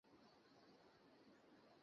তাঁহাকে আমি ভালবাসি, কেন না তিনি প্রেমস্বরূপ।